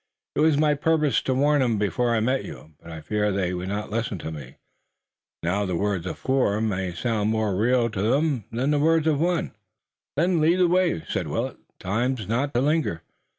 It was my purpose to warn 'em before I met you, but I feared they would not listen to me. Now, the words of four may sound more real to 'em than the words of one." "Then lead the way," said Willet. "'Tis not a time to linger."